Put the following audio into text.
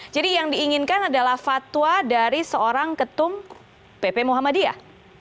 jadi yang diinginkan adalah fatwa dari seorang ketum pp muhammadiyah